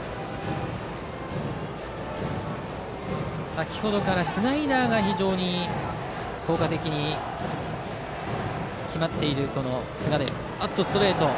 先程からスライダーが非常に効果的に決まっている寿賀。